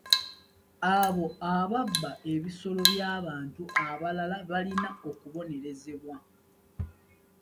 Abo ababba ebisolo by'abantu abalala balina okubonerezebwa.